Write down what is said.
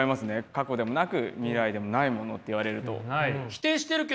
過去でもなく未来でもないものって言われると。